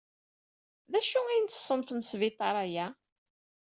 D acu i n ṣṣenf n ssbiṭaṛ aya?